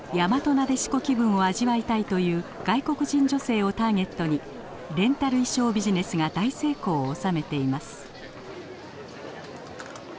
なでしこ気分を味わいたいという外国人女性をターゲットにレンタル衣装ビジネスが大成功を収めています。